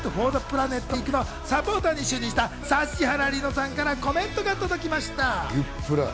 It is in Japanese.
ウィークのサポーターに就任した指原莉乃さんからコメントが届きました。